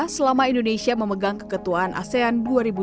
selama indonesia memegang keketuaan asean dua ribu dua puluh